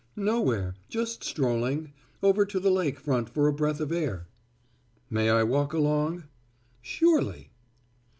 "Nowhere, just strolling. Over to the lake front for a breath of air." "May I walk along?" "Surely."